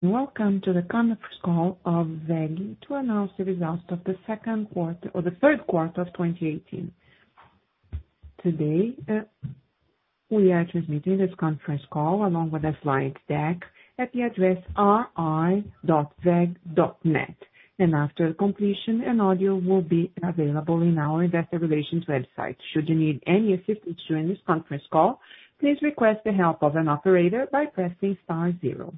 Welcome to the conference call of WEG to announce the results of the third quarter of 2018. Today, we are transmitting this conference call along with a slide deck at the address ri.weg.net. After completion, an audio will be available on our investor relations website. Should you need any assistance during this conference call, please request the help of an operator by pressing star zero.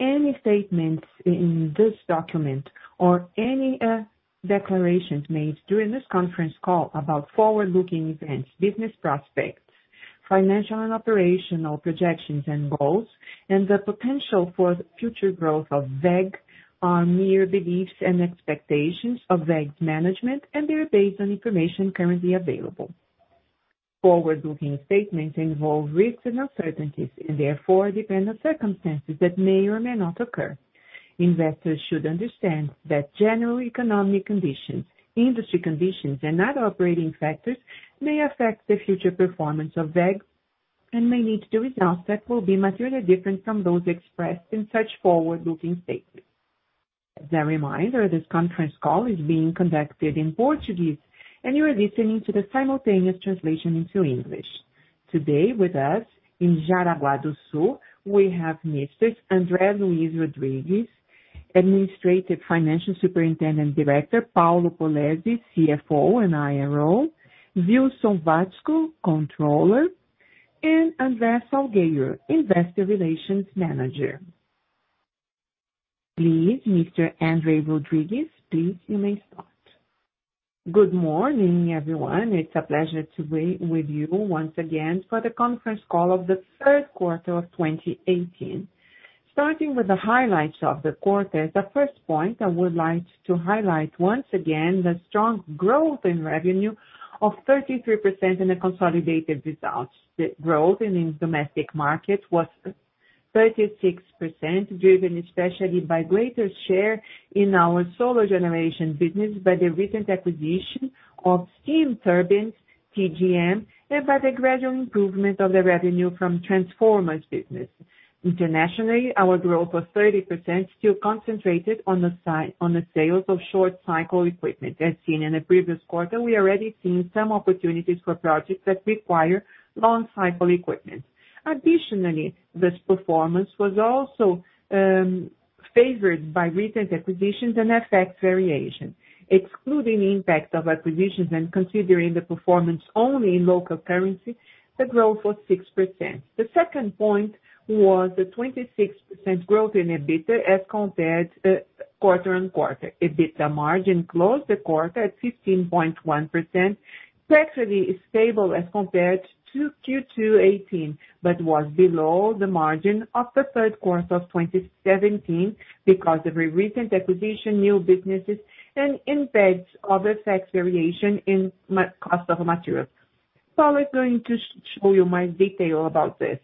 Any statements in this document or any declarations made during this conference call about forward-looking events, business prospects, financial and operational projections and goals, and the potential for the future growth of WEG are mere beliefs and expectations of WEG's management, and they are based on information currently available. Forward-looking statements involve risks and uncertainties and therefore depend on circumstances that may or may not occur. Investors should understand that general economic conditions, industry conditions, and other operating factors may affect the future performance of WEG and may lead to results that will be materially different from those expressed in such forward-looking statements. As a reminder, this conference call is being conducted in Portuguese, and you are listening to the simultaneous translation into English. Today with us in Jaraguá do Sul, we have Messrs. André Luís Rodrigues, Administrative Financial Superintendent Director, Paulo Polezi, CFO and IRO, Wilson Watzko, Controller, and André Salgueiro, Investor Relations Manager. Please, Mr. André Rodrigues, you may start. Good morning, everyone. It's a pleasure to be with you once again for the conference call of the third quarter of 2018. Starting with the highlights of the quarter, the first point I would like to highlight, once again, the strong growth in revenue of 33% in the consolidated results. The growth in the domestic market was 36%, driven especially by greater share in our solar generation business by the recent acquisition of Steam Turbines, TGM, and by the gradual improvement of the revenue from transformers business. Internationally, our growth was 30%, still concentrated on the sales of short-cycle equipment. As seen in the previous quarter, we are already seeing some opportunities for projects that require long-cycle equipment. Additionally, this performance was also favored by recent acquisitions and FX variation. Excluding the impact of acquisitions and considering the performance only in local currency, the growth was 6%. The second point was the 26% growth in EBITDA quarter-over-quarter. EBITDA margin closed the quarter at 15.1%, structurally stable as compared to Q2 2018, but was below the margin of the third quarter of 2017 because of a recent acquisition, new businesses, and impact of FX variation in cost of materials. Paulo is going to show you more detail about this.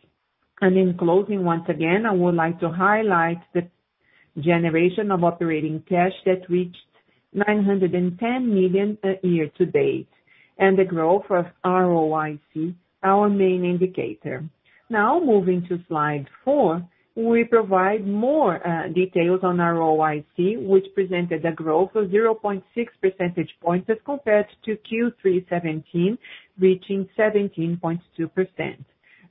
In closing, once again, I would like to highlight the generation of operating cash that reached 910 million a year to date, and the growth of ROIC, our main indicator. Now moving to slide four, we provide more details on ROIC, which presented a growth of 0.6 percentage points as compared to Q3 2017, reaching 17.2%.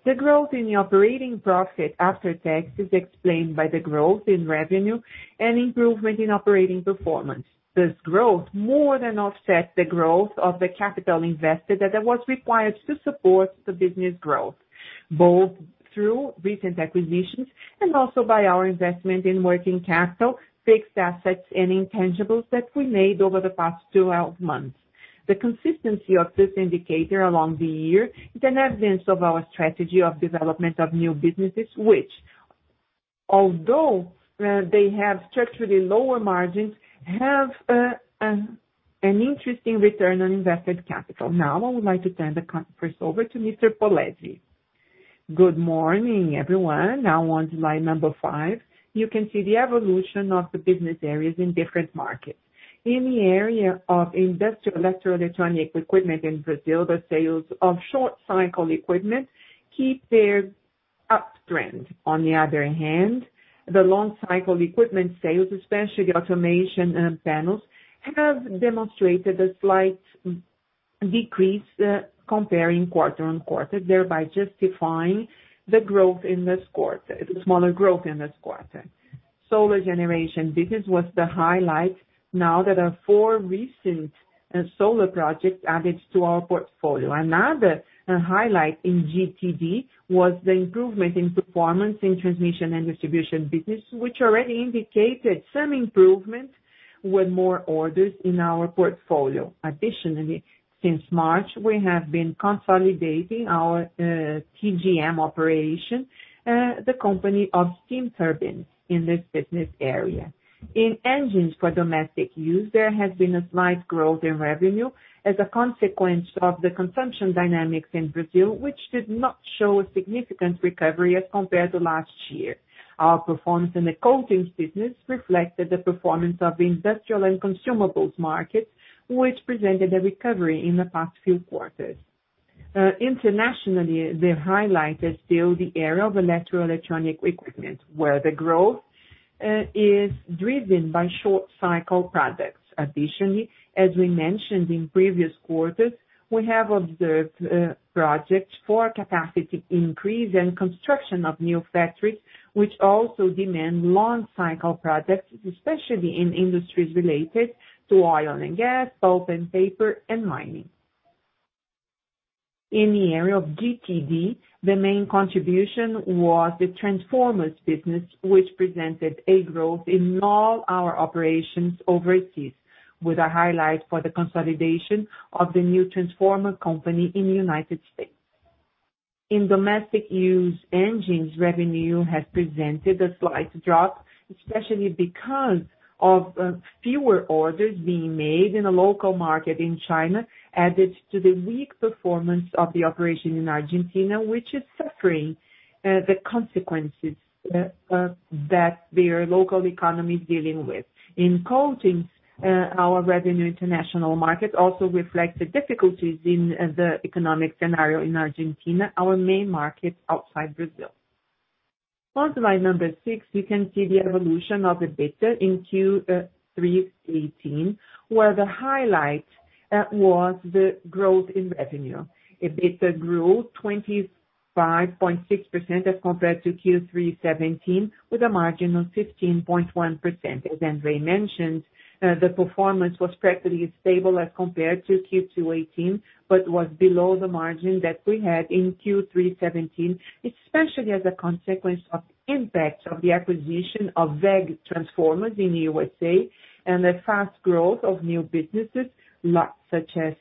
The growth in the operating profit after tax is explained by the growth in revenue and improvement in operating performance. This growth more than offset the growth of the capital invested that was required to support the business growth, both through recent acquisitions and also by our investment in working capital, fixed assets, and intangibles that we made over the past 12 months. The consistency of this indicator along the year is an evidence of our strategy of development of new businesses, which although they have structurally lower margins, have an interesting return on invested capital. I would like to turn the conference over to Mr. Polezi. Good morning, everyone. On slide number five, you can see the evolution of the business areas in different markets. In the area of industrial electroelectronic equipment in Brazil, the sales of short-cycle equipment keep their uptrend. On the other hand, the long-cycle equipment sales, especially automation and panels, have demonstrated a slight decrease comparing quarter-on-quarter, thereby justifying the smaller growth in this quarter. Solar generation business was the highlight now that our four recent solar projects added to our portfolio. Another highlight in GTD was the improvement in performance in transmission and distribution business, which already indicated some improvement with more orders in our portfolio. Additionally, since March, we have been consolidating our TGM operation, the company of Steam Turbines in this business area. In engines for domestic use, there has been a slight growth in revenue as a consequence of the consumption dynamics in Brazil, which did not show a significant recovery as compared to last year. Our performance in the coatings business reflected the performance of the industrial and consumables market, which presented a recovery in the past few quarters. Internationally, the highlight is still the area of electroelectronic equipment, where the growth is driven by short cycle products. Additionally, as we mentioned in previous quarters, we have observed projects for capacity increase and construction of new factories, which also demand long cycle products, especially in industries related to oil and gas, pulp and paper, and mining. In the area of GTD, the main contribution was the transformers business, which presented a growth in all our operations overseas, with a highlight for the consolidation of the new transformer company in the U.S. In domestic use engines, revenue has presented a slight drop, especially because of fewer orders being made in the local market in China, added to the weak performance of the operation in Argentina, which is suffering the consequences that their local economy is dealing with. In coatings, our revenue international market also reflects the difficulties in the economic scenario in Argentina, our main market outside Brazil. Onto slide number six, you can see the evolution of EBITDA in Q3 2018, where the highlight was the growth in revenue. EBITDA grew 25.6% as compared to Q3 2017, with a margin of 15.1%. As André mentioned, the performance was practically stable as compared to Q2 2018, but was below the margin that we had in Q3 2017, especially as a consequence of impact of the acquisition of WEG Transformers in the USA, and the fast growth of new businesses such as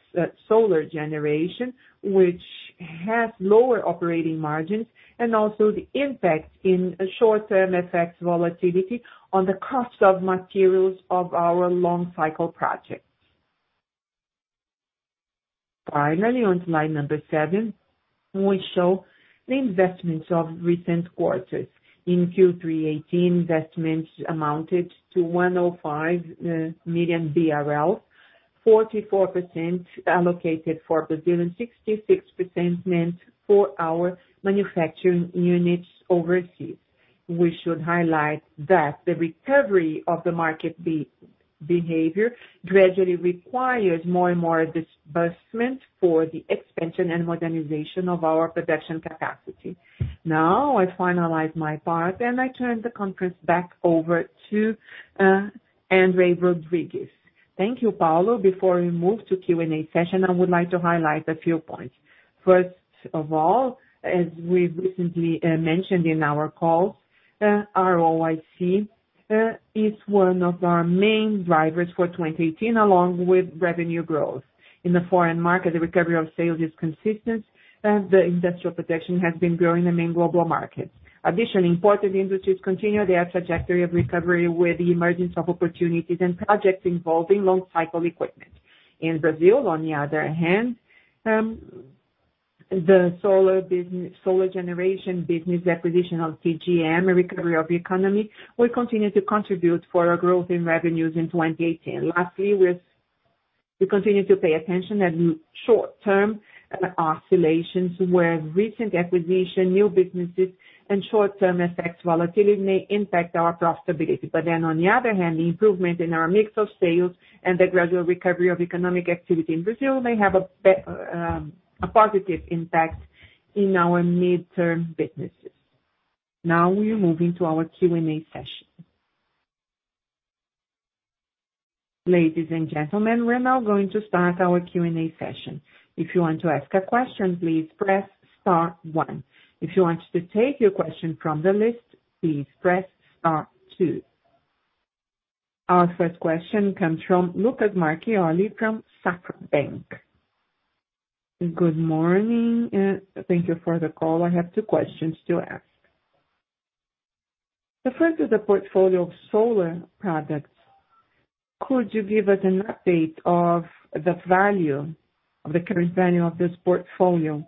solar generation, which has lower operating margins, and also the impact in short-term FX volatility on the cost of materials of our long cycle projects. Finally, on slide number seven, we show the investments of recent quarters. In Q3 2018, investments amounted to 105 million BRL, 44% allocated for Brazil, and 66% meant for our manufacturing units overseas. We should highlight that the recovery of the market behavior gradually requires more and more disbursement for the expansion and modernization of our production capacity. I finalize my part, and I turn the conference back over to André Luís Rodrigues. Thank you, Paulo Polezi. Before we move to Q&A session, I would like to highlight a few points. First of all, as we've recently mentioned in our calls, ROIC is one of our main drivers for 2018, along with revenue growth. In the foreign market, the recovery of sales is consistent, and the industrial production has been growing in main global markets. Additionally, important industries continue their trajectory of recovery with the emergence of opportunities and projects involving long cycle equipment. In Brazil, on the other hand, the solar generation business acquisition of TGM and recovery of the economy will continue to contribute for our growth in revenues in 2018. Lastly, we continue to pay attention at short-term oscillations, where recent acquisition, new businesses, and short-term FX volatility may impact our profitability. On the other hand, the improvement in our mix of sales and the gradual recovery of economic activity in Brazil may have a positive impact in our mid-term businesses. We are moving to our Q&A session. Ladies and gentlemen, we're now going to start our Q&A session. If you want to ask a question, please press star one. If you want to take your question from the list, please press star two. Our first question comes from Lucas Marquiori from Safra. Good morning, and thank you for the call. I have two questions to ask. The first is the portfolio of solar products. Could you give us an update of the current value of this portfolio,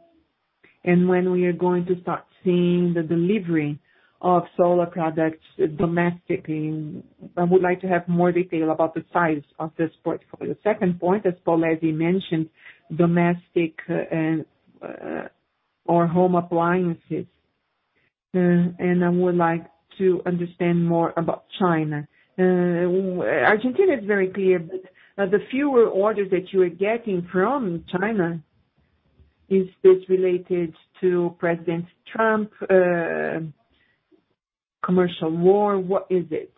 and when we are going to start seeing the delivery of solar products domestically? I would like to have more detail about the size of this portfolio. Second point, as Paulo Polezi already mentioned, domestic or home appliances. I would like to understand more about China. Argentina is very clear, but the fewer orders that you are getting from China, is this related to President Trump commercial war? What is it?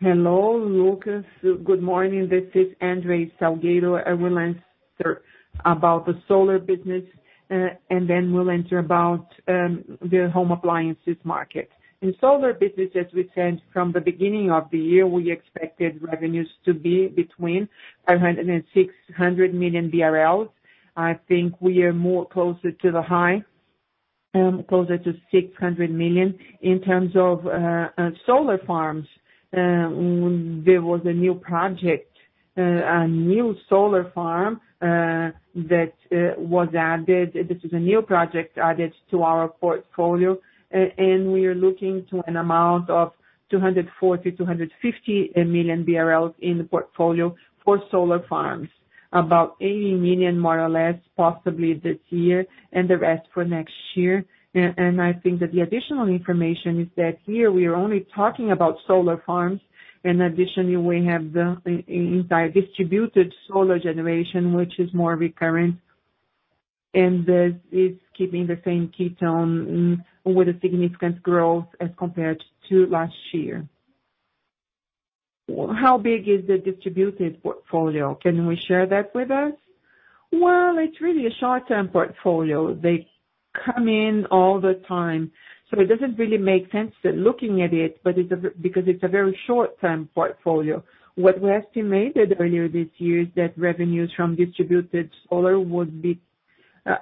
Hello, Lucas. Good morning. This is André Salgueiro. I will answer about the solar business, and then we'll answer about the home appliances market. In solar business, as we said from the beginning of the year, we expected revenues to be between 500 million and 600 million BRL. I think we are more closer to the high, closer to 600 million. In terms of solar farms, there was a new project, a new solar farm that was added. This is a new project added to our portfolio, and we are looking to an amount of 240 million BRL to BRL 250 million in the portfolio for solar farms. About 80 million, more or less, possibly this year, and the rest for next year. I think that the additional information is that here we are only talking about solar farms. In addition, we have the entire distributed solar generation, which is more recurring, and it's keeping the same cadence with a significant growth as compared to last year. How big is the distributed portfolio? Can you share that with us? Well, it's really a short-term portfolio. They come in all the time, so it doesn't really make sense looking at it, because it's a very short-term portfolio. What we estimated earlier this year is that revenues from distributed solar would be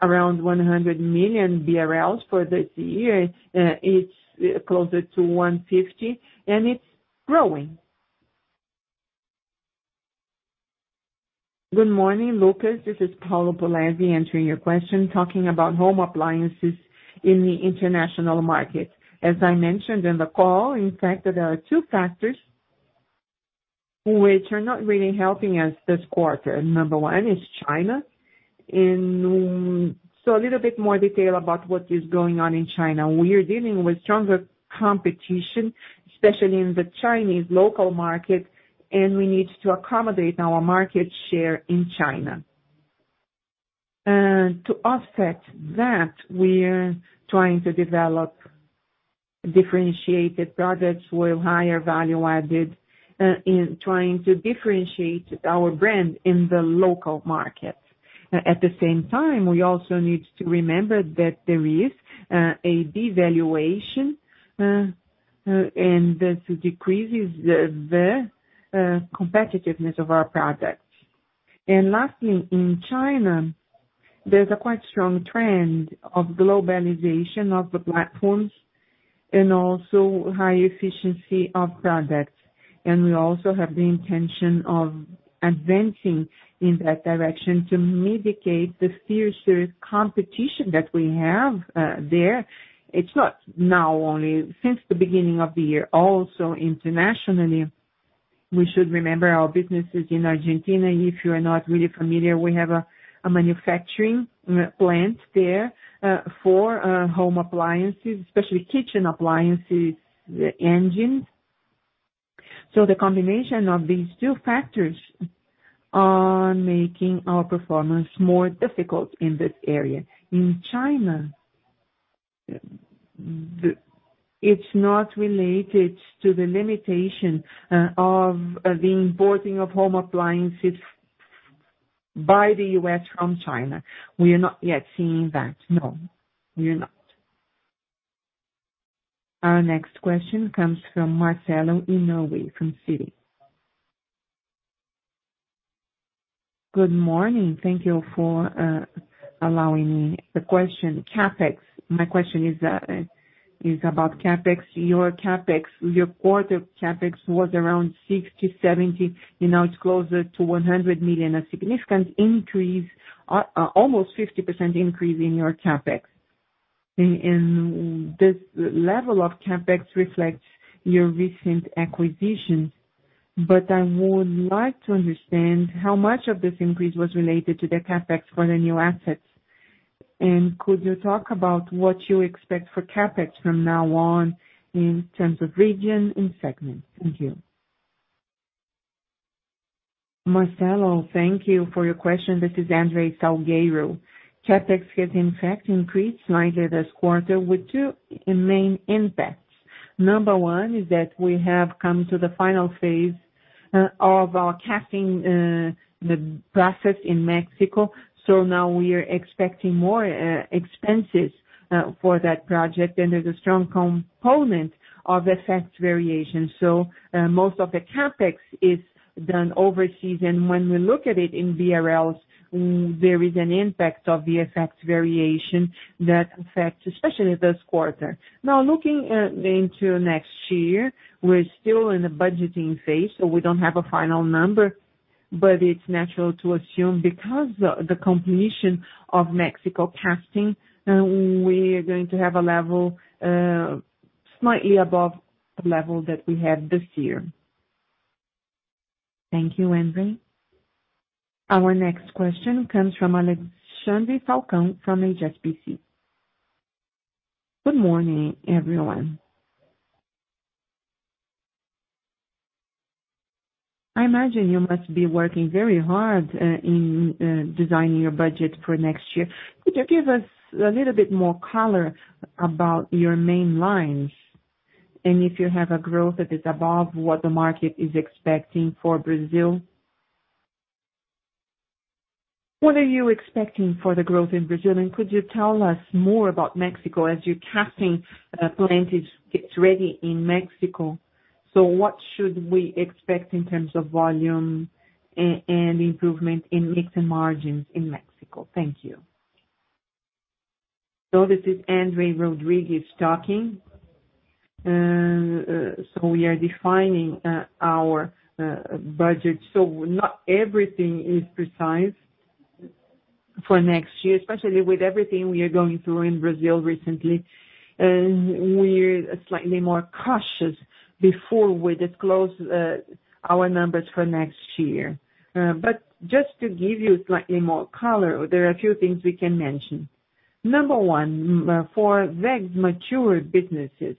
around 100 million BRL for this year. It is closer to 150 million, and it is growing. Good morning, Lucas. This is Paulo Polezi answering your question, talking about home appliances in the international market. As I mentioned in the call, in fact, there are 2 factors which are not really helping us this quarter. Number 1 is China. A little bit more detail about what is going on in China. We are dealing with stronger competition, especially in the Chinese local market, and we need to accommodate our market share in China. To offset that, we are trying to develop differentiated products with higher value added and trying to differentiate our brand in the local market. At the same time, we also need to remember that there is a devaluation, and this decreases the competitiveness of our products. Lastly, in China, there is a quite strong trend of globalization of the platforms and also high efficiency of products. We also have the intention of advancing in that direction to mitigate the fiercer competition that we have there. It is not now only. Since the beginning of the year, internationally, we should remember our businesses in Argentina. If you are not really familiar, we have a manufacturing plant there for home appliances, especially kitchen appliances engines. The combination of these 2 factors are making our performance more difficult in this area. In China, it is not related to the limitation of the importing of home appliances by the U.S. from China. We are not yet seeing that. No, we are not. Our next question comes from Marcelo Inoue from Citi. Good morning. Thank you for allowing me the question, CapEx. My question is about CapEx. Your quarter CapEx was around 60 million-70 million, and now it is closer to 100 million. A significant increase, almost 50% increase in your CapEx. This level of CapEx reflects your recent acquisitions, but I would like to understand how much of this increase was related to the CapEx for the new assets. Could you talk about what you expect for CapEx from now on in terms of region and segment? Thank you. Marcelo, thank you for your question. This is André Salgueiro. CapEx has in fact increased slightly this quarter with 2 main impacts. Number 1 is that we have come to the final phase of our casting process in Mexico. Now we are expecting more expenses for that project, and there is a strong component of FX variation. Most of the CapEx is done overseas, and when we look at it in BRL, there is an impact of the FX variation that affects especially this quarter. Looking into next year, we are still in the budgeting phase, so we do not have a final number, but it is natural to assume because the completion of Mexico casting, we are going to have a level slightly above the level that we had this year. Thank you, André. Our next question comes from Alexandre Falcao from HSBC. Good morning, everyone. I imagine you must be working very hard in designing your budget for next year. Could you give us a little bit more color about your main lines and if you have a growth that is above what the market is expecting for Brazil? What are you expecting for the growth in Brazil, and could you tell us more about Mexico as your casting plant is get ready in Mexico? What should we expect in terms of volume and improvement in mix and margins in Mexico? Thank you. This is André Luís Rodrigues talking. We are defining our budget. Not everything is precise for next year, especially with everything we are going through in Brazil recently, we are slightly more cautious before we disclose our numbers for next year. Just to give you slightly more color, there are a few things we can mention. Number 1, for WEG's mature businesses.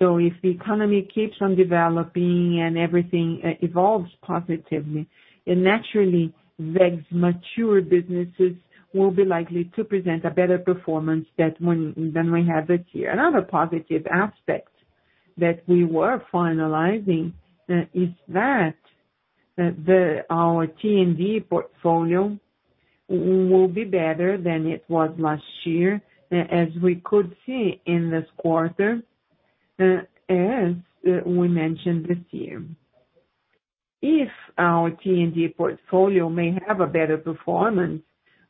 If the economy keeps on developing and everything evolves positively, then naturally, WEG's mature businesses will be likely to present a better performance than we had this year. Another positive aspect that we were finalizing is that our T&D portfolio will be better than it was last year, as we could see in this quarter, as we mentioned this year. If our T&D portfolio may have a better performance,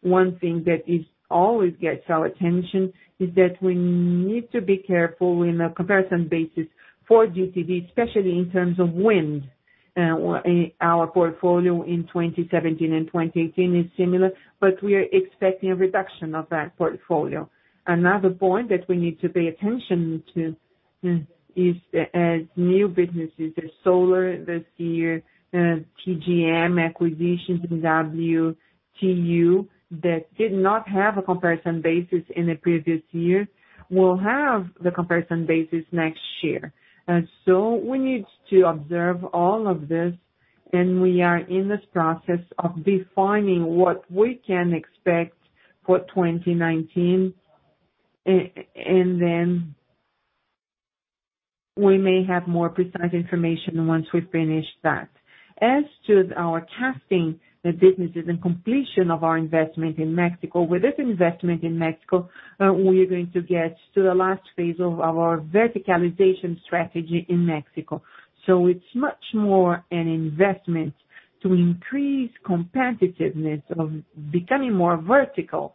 one thing that always gets our attention is that we need to be careful in a comparison basis for GTD, especially in terms of wind. Our portfolio in 2017 and 2018 is similar, but we are expecting a reduction of that portfolio. Another point that we need to pay attention to is new businesses. The solar this year, TGM acquisition, WTU, that did not have a comparison basis in the previous year, will have the comparison basis next year. We need to observe all of this and we are in this process of defining what we can expect for 2019, and then we may have more precise information once we finish that. As to our casting the businesses and completion of our investment in Mexico. With this investment in Mexico, we are going to get to the last phase of our verticalization strategy in Mexico. It is much more an investment to increase competitiveness, of becoming more vertical.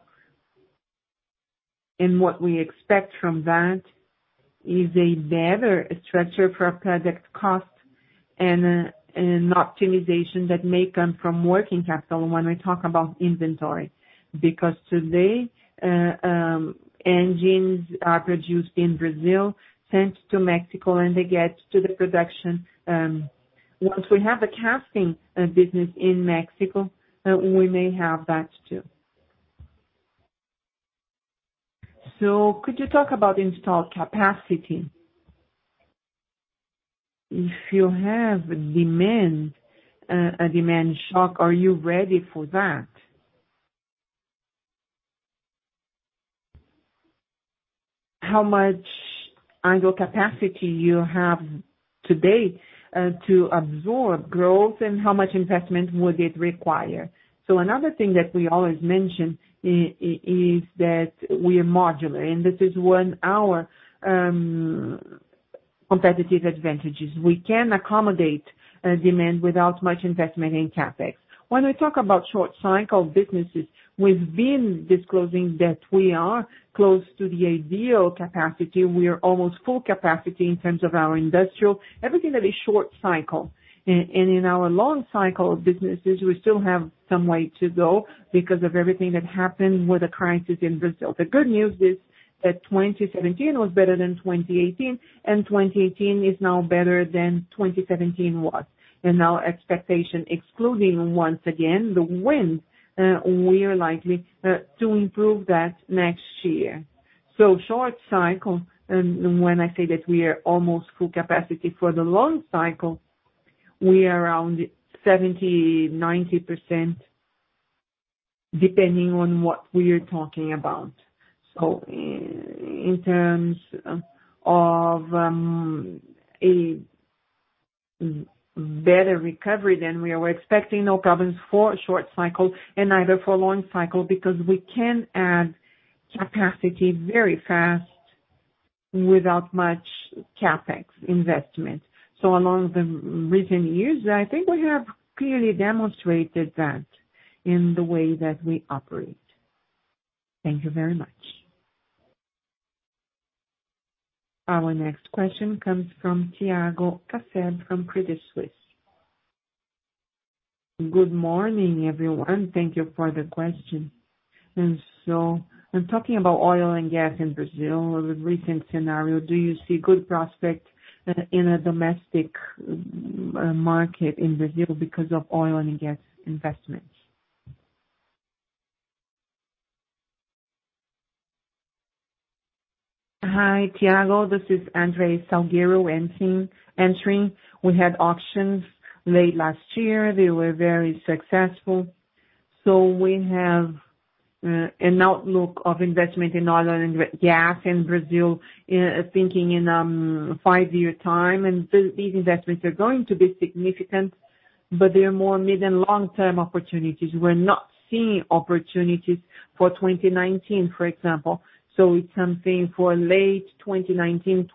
What we expect from that is a better structure for our project cost and an optimization that may come from working capital when we talk about inventory. Because today, engines are produced in Brazil, sent to Mexico, and they get to the production. Once we have the casting business in Mexico, we may have that, too. Could you talk about installed capacity? If you have a demand shock, are you ready for that? How much annual capacity you have today to absorb growth and how much investment would it require. Another thing that we always mention is that we are modular, and this is one our competitive advantages. We can accommodate demand without much investment in CapEx. When we talk about short cycle businesses, we have been disclosing that we are close to the ideal capacity. We are almost full capacity in terms of our industrial, everything that is short cycle. In our long cycle businesses, we still have some way to go because of everything that happened with the crisis in Brazil. The good news is that 2017 was better than 2018, and 2018 is now better than 2017 was. Our expectation, excluding once again, the wind, we are likely to improve that next year. Short cycle, when I say that we are almost full capacity. For the long cycle, we are around 70%-90%, depending on what we are talking about. In terms of a better recovery than we were expecting, no problems for short cycle and neither for long cycle, because we can add capacity very fast without much CapEx investment. Along the recent years, I think we have clearly demonstrated that in the way that we operate. Thank you very much. Our next question comes from Thiago Castedo from Credit Suisse. Good morning, everyone. Thank you for the question. I am talking about oil and gas in Brazil, the recent scenario. Do you see good prospect in a domestic market in Brazil because of oil and gas investments? Hi, Thiago. This is André Salgueiro entering. We had auctions late last year. They were very successful. We have an outlook of investment in oil and gas in Brazil, thinking in a five-year time. These investments are going to be significant, but they are more mid and long-term opportunities. We're not seeing opportunities for 2019, for example. It's something for late 2019,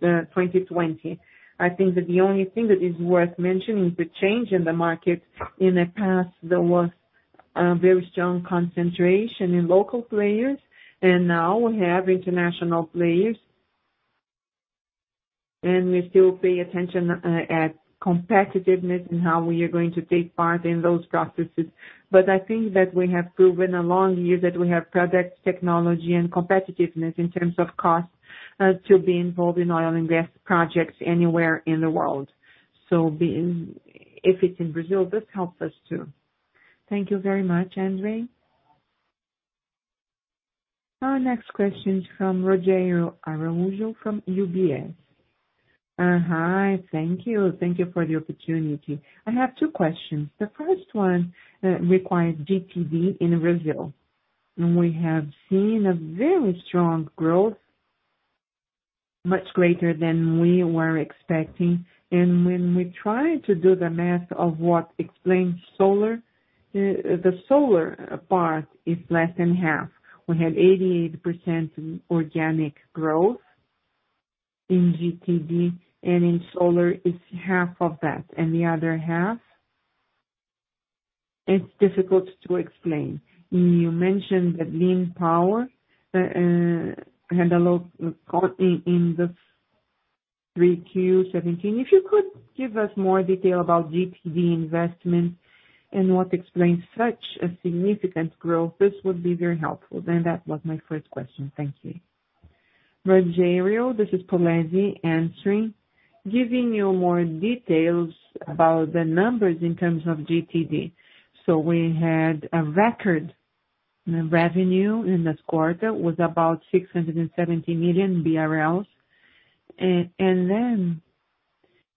2020. I think that the only thing that is worth mentioning is the change in the market. In the past, there was a very strong concentration in local players, and now we have international players. We still pay attention at competitiveness and how we are going to take part in those processes. I think that we have proven along the years that we have product technology and competitiveness in terms of cost, to be involved in oil and gas projects anywhere in the world. If it's in Brazil, this helps us too. Thank you very much, André. Our next question is from Rogério Araújo from UBS. Hi. Thank you. Thank you for the opportunity. I have two questions. The first one requires GTD in Brazil. We have seen a very strong growth, much greater than we were expecting. When we try to do the math of what explains the solar part is less than half. We had 88% organic growth in GTD, and in solar it's half of that. The other half, it's difficult to explain. You mentioned that lean power had a low cost in the 3Q 2017. If you could give us more detail about GTD investment and what explains such a significant growth, this would be very helpful. That was my first question. Thank you. Rogério, this is Polezi answering. Giving you more details about the numbers in terms of GTD. We had a record revenue in this quarter with about 670 million BRL.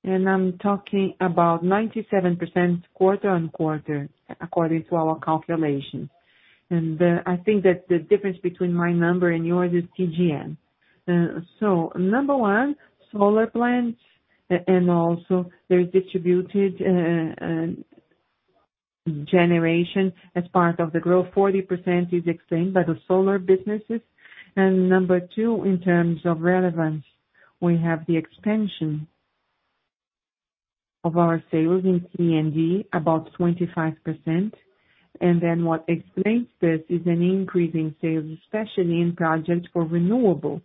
I'm talking about 97% quarter-on-quarter according to our calculations. I think that the difference between my number and yours is TGM. Number one, solar plants and also there's distributed generation as part of the growth, 40% is explained by the solar businesses. Number two, in terms of relevance, we have the expansion of our sales in T&D about 25%. What explains this is an increase in sales, especially in projects for renewable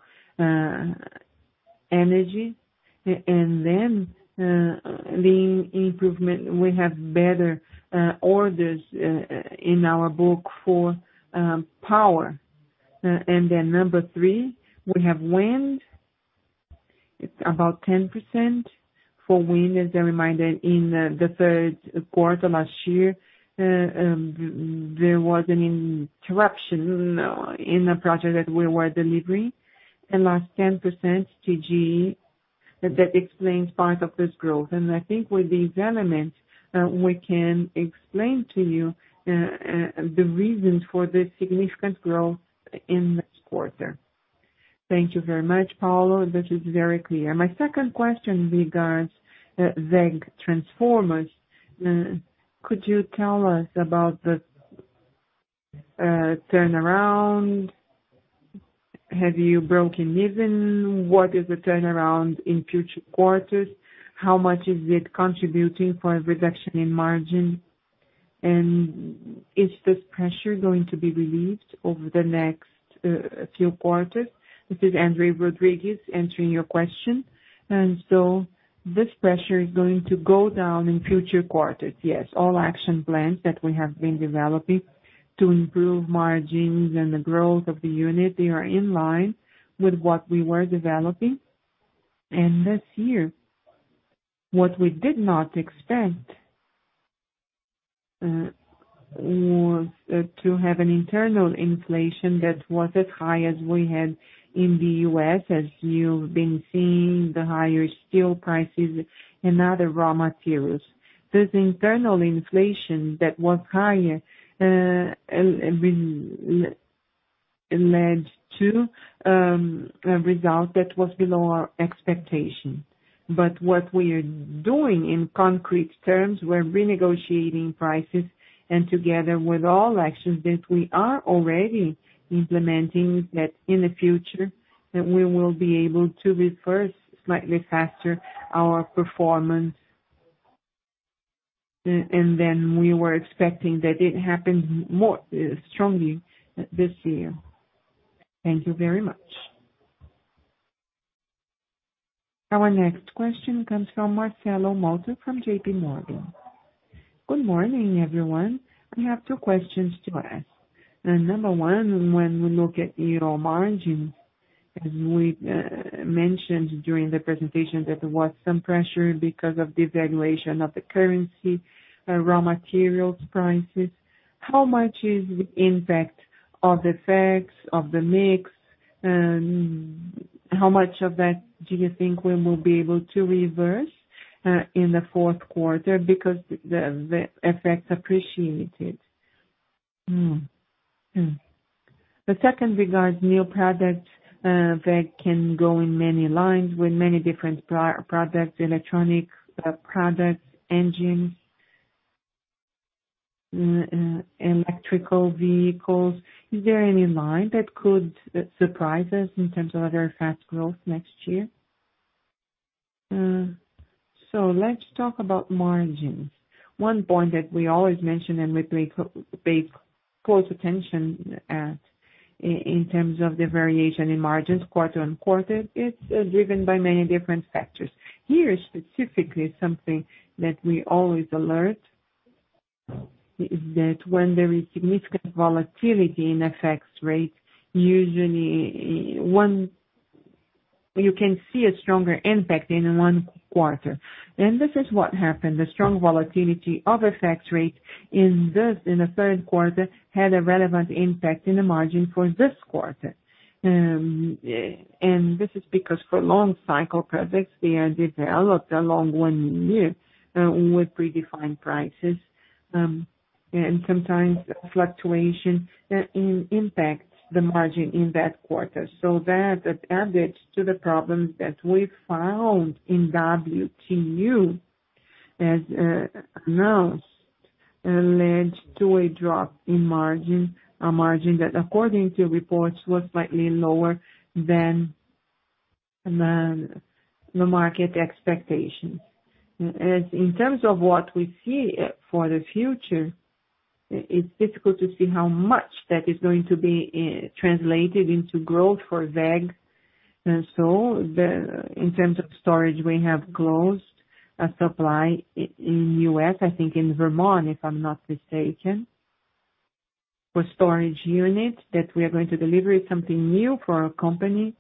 energy and then lean improvement. We have better orders in our book for power. Number three, we have wind. It's about 10% for wind. As a reminder, in the third quarter last year, there was an interruption in a project that we were delivering and lost 10% GTD. That explains part of this growth. I think with these elements, we can explain to you the reasons for the significant growth in this quarter. Thank you very much, Paulo. This is very clear. My second question regards WEG Transformers. Could you tell us about the turnaround? Have you broken even? What is the turnaround in future quarters? How much is it contributing for a reduction in margin? Is this pressure going to be relieved over the next few quarters? This is André Rodrigues answering your question. This pressure is going to go down in future quarters, yes. All action plans that we have been developing to improve margins and the growth of the unit, they are in line with what we were developing. This year, what we did not expect was to have an internal inflation that was as high as we had in the U.S., as you've been seeing the higher steel prices and other raw materials. This internal inflation that was higher led to a result that was below our expectation. What we are doing in concrete terms, we're renegotiating prices and together with all actions that we are already implementing, that in the future we will be able to reverse slightly faster our performance. We were expecting that it happens more strongly this year. Thank you very much. Our next question comes from Marcelo Malta from JPMorgan. Good morning, everyone. I have two questions to ask. Number one, when we look at raw margins, as we mentioned during the presentation, that there was some pressure because of the devaluation of the currency, raw materials prices. How much is the impact of the FX of the mix, and how much of that do you think we will be able to reverse in the fourth quarter? Because the FX appreciated. The second regards new products that can go in many lines with many different products, electronic products, engines, electric vehicles. Is there any line that could surprise us in terms of a very fast growth next year? Let's talk about margins. One point that we always mention and we pay close attention at, in terms of the variation in margins quarter on quarter, it's driven by many different factors. Here, specifically, something that we always alert, is that when there is significant volatility in FX rate, usually you can see a stronger impact in one quarter. This is what happened. The strong volatility of FX rate in the third quarter had a relevant impact in the margin for this quarter. This is because for long cycle projects, they are developed along one year with predefined prices. Sometimes fluctuation impacts the margin in that quarter. That adds to the problems that we found in WTU, as announced, and led to a drop in margin. A margin that, according to reports, was slightly lower than the market expectations. In terms of what we see for the future, it's difficult to see how much that is going to be translated into growth for WEG. In terms of storage, we have closed a supply in U.S., I think in Vermont, if I'm not mistaken, for storage unit that we are going to deliver. It's something new for our company.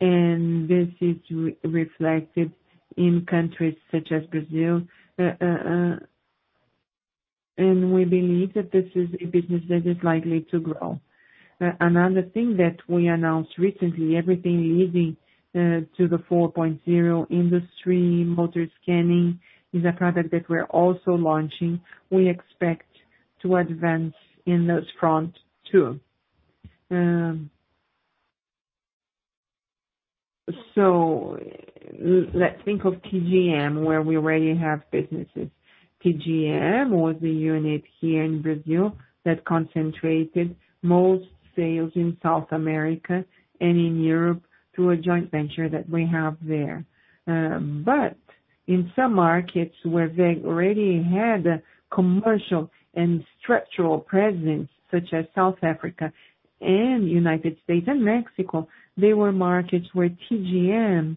This is reflected in countries such as Brazil. We believe that this is a business that is likely to grow. Another thing that we announced recently, everything leading to the Industry 4.0, WEG Motor Scan, is a product that we are also launching. We expect to advance in those front too. Let's think of TGM, where we already have businesses. TGM was a unit here in Brazil that concentrated most sales in South America and in Europe through a joint venture that we have there. In some markets where WEG already had a commercial and structural presence, such as South Africa and U.S. and Mexico, they were markets where TGM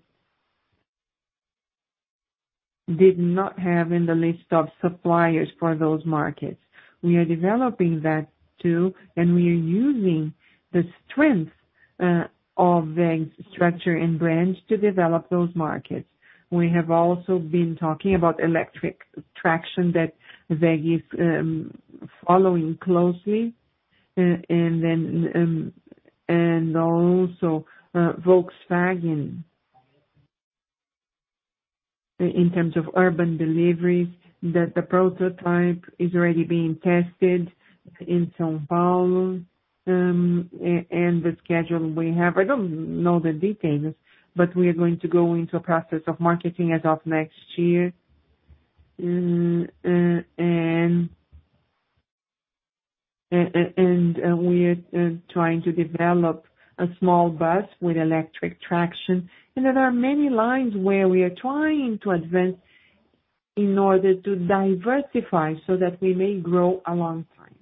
did not have in the list of suppliers for those markets. We are developing that too, and we are using the strength of WEG's structure and brands to develop those markets. We have also been talking about electric traction that WEG is following closely. Also Volkswagen, in terms of urban deliveries, that the prototype is already being tested in São Paulo. The schedule we have, I don't know the details, but we are going to go into a process of marketing as of next year. We are trying to develop a small bus with electric traction. There are many lines where we are trying to advance in order to diversify so that we may grow a long time.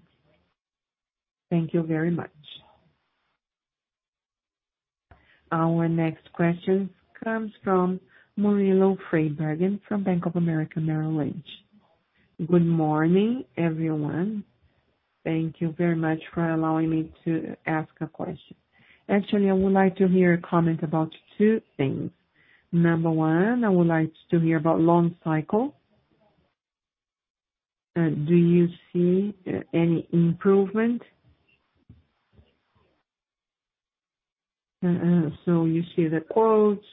Thank you very much. Our next question comes from Murilo Freiberger from Bank of America Merrill Lynch. Good morning, everyone. Thank you very much for allowing me to ask a question. Actually, I would like to hear a comment about two things. Number 1, I would like to hear about long cycle. Do you see any improvement? You see the quotes,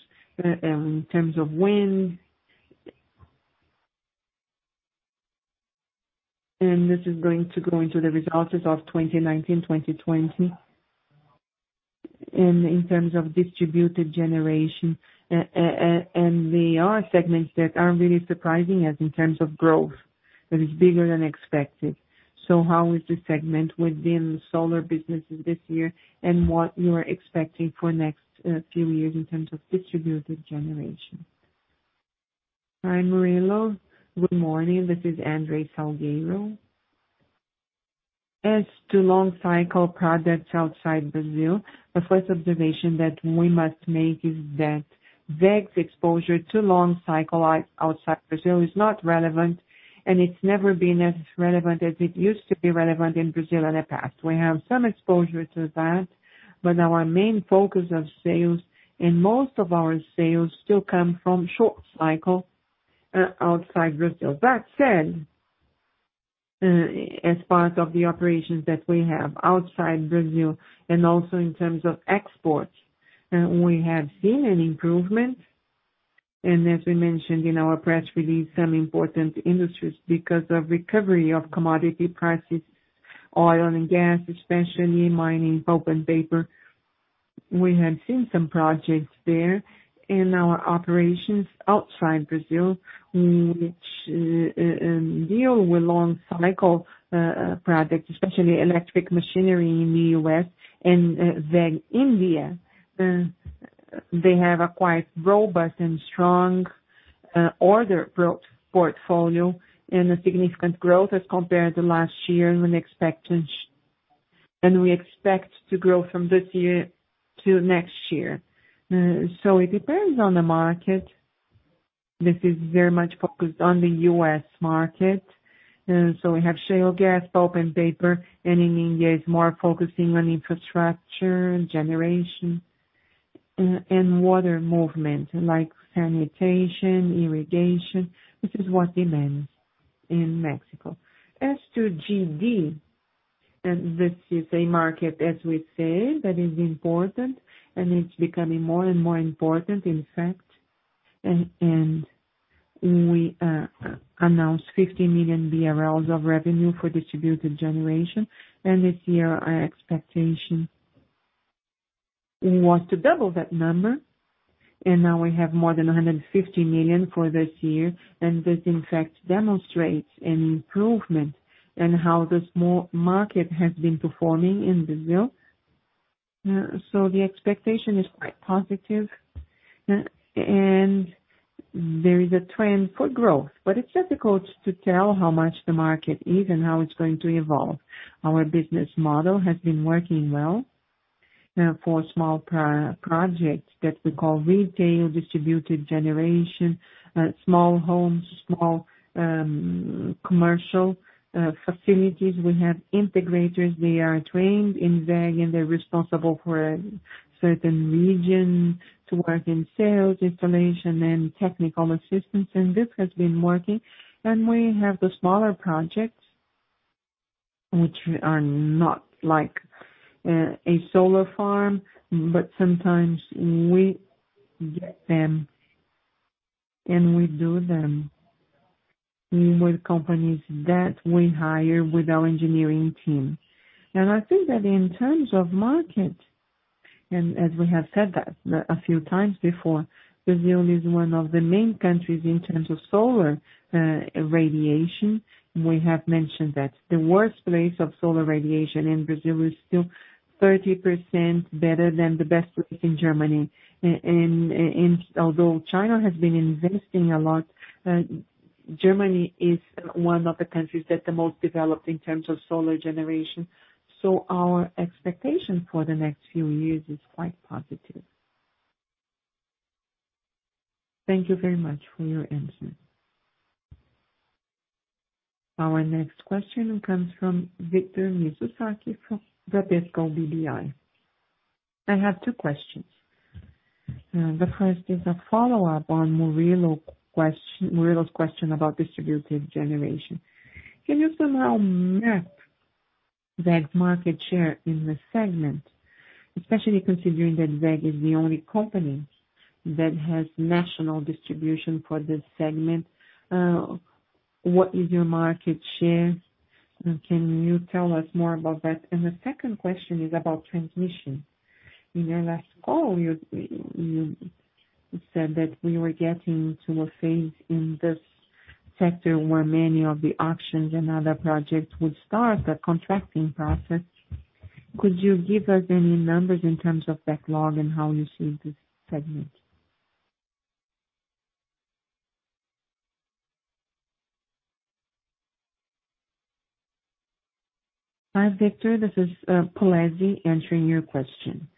in terms of when. There are segments that are really surprising us in terms of growth, that is bigger than expected. How is the segment within the solar businesses this year, and what you are expecting for next few years in terms of distributed generation. Hi, Murilo. Good morning. This is André Salgueiro. As to long cycle products outside Brazil, the first observation that we must make is that WEG's exposure to long cycle outside Brazil is not relevant, and it's never been as relevant as it used to be relevant in Brazil in the past. We have some exposure to that, but our main focus of sales and most of our sales still come from short cycle outside Brazil. That said, as part of the operations that we have outside Brazil and also in terms of exports, we have seen an improvement. As we mentioned in our press release, some important industries, because of recovery of commodity prices, oil and gas especially, mining, pulp and paper. We have seen some projects there in our operations outside Brazil, which deal with long cycle products, especially electric machinery in the U.S. and WEG India. They have a quite robust and strong order portfolio and a significant growth as compared to last year and we expect to grow from this year to next year. It depends on the market. This is very much focused on the U.S. market. We have shale gas, pulp and paper, and in India is more focusing on infrastructure, generation, and water movement like sanitation, irrigation, which is what demands in Mexico. As to DG, this is a market, as we said, that is important, and it is becoming more and more important, in fact. We announced 50 million BRL of revenue for Distributed Generation. This year, our expectation was to double that number, and now we have more than 150 million for this year, and this in fact demonstrates an improvement in how this market has been performing in Brazil. There is a trend for growth, but it is difficult to tell how much the market is and how it is going to evolve. Our business model has been working well for small projects that we call retail Distributed Generation, small homes, small commercial facilities. We have integrators. They are trained in WEG, and they are responsible for a certain region to work in sales, installation, and technical assistance. This has been working. We have the smaller projects, which are not like a solar farm, but sometimes we get them, and we do them with companies that we hire with our engineering team. I think that in terms of market, as we have said that a few times before, Brazil is one of the main countries in terms of solar radiation. We have mentioned that the worst place of solar radiation in Brazil is still 30% better than the best place in Germany. Although China has been investing a lot, Germany is one of the countries that the most developed in terms of solar generation. Our expectation for the next few years is quite positive. Thank you very much for your answer. Our next question comes from Victor Mizusaki from Bradesco BBI. I have two questions. The first is a follow-up on Murilo's question about Distributed Generation. Can you somehow map that market share in the segment, especially considering that WEG is the only company that has national distribution for this segment? What is your market share? Can you tell us more about that? The second question is about transmission. In your last call, you said that we were getting to a phase in this sector where many of the auctions and other projects would start the contracting process. Could you give us any numbers in terms of backlog and how you see this segment? Hi, Victor. This is Poleze answering your question.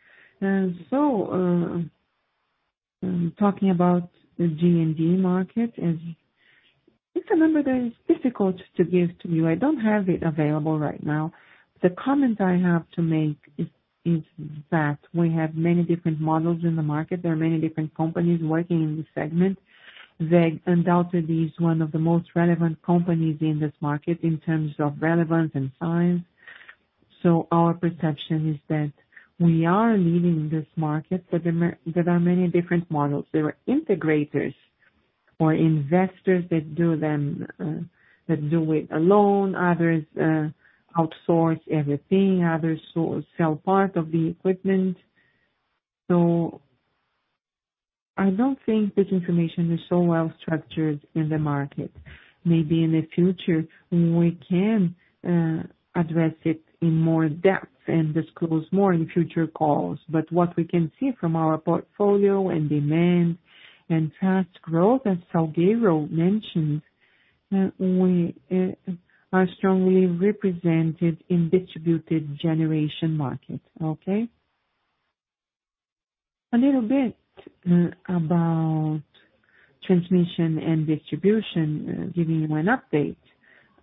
Talking about the T&D market, it's a number that is difficult to give to you. I don't have it available right now. The comment I have to make is that we have many different models in the market. There are many different companies working in this segment. WEG undoubtedly is one of the most relevant companies in this market in terms of relevance and size. Our perception is that we are leading this market, but there are many different models. There are integrators or investors that do it alone. Others outsource everything. Others sell part of the equipment. I don't think this information is so well-structured in the market. Maybe in the future, we can address it in more depth and disclose more in future calls. What we can see from our portfolio and demand and fast growth, as Salgueiro mentioned, we are strongly represented in Distributed Generation market. Okay. A little bit about Transmission and Distribution, giving you an update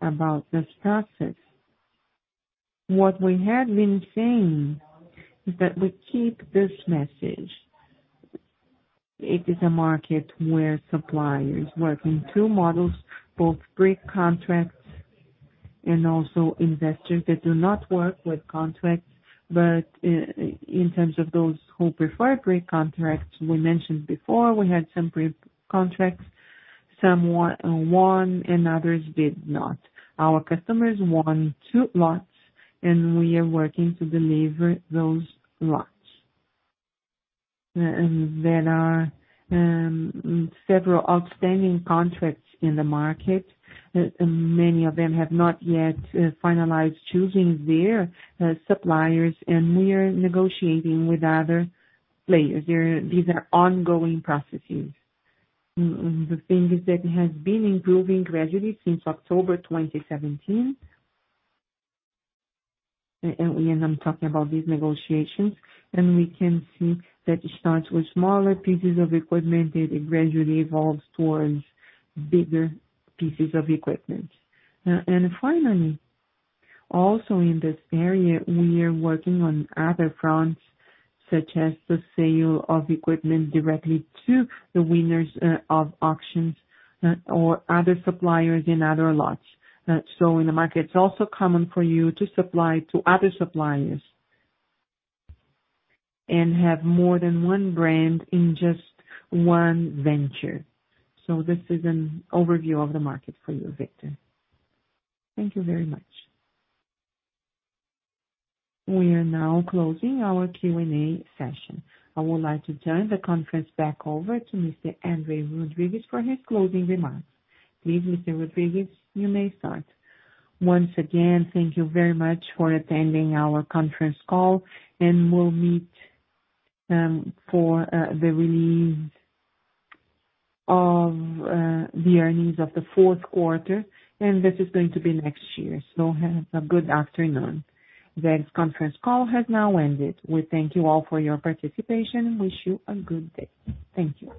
about this process. What we have been saying is that we keep this message. It is a market where suppliers work in two models, both pre-contracts and also investors that do not work with contracts. In terms of those who prefer pre-contracts, we mentioned before we had some pre-contracts. Some won and others did not. Our customers won two lots, and we are working to deliver those lots. There are several outstanding contracts in the market. Many of them have not yet finalized choosing their suppliers, and we are negotiating with other players. These are ongoing processes. The thing is that it has been improving gradually since October 2017. I'm talking about these negotiations, we can see that it starts with smaller pieces of equipment, it gradually evolves towards bigger pieces of equipment. Finally, also in this area, we are working on other fronts, such as the sale of equipment directly to the winners of auctions or other suppliers in other lots. In the market, it's also common for you to supply to other suppliers and have more than one brand in just one venture. This is an overview of the market for you, Victor. Thank you very much. We are now closing our Q&A session. I would like to turn the conference back over to Mr. André Rodrigues for his closing remarks. Please, Mr. Rodrigues, you may start. Once again, thank you very much for attending our conference call, we'll meet for the release of the earnings of the fourth quarter, this is going to be next year. Have a good afternoon. WEG's conference call has now ended. We thank you all for your participation and wish you a good day. Thank you.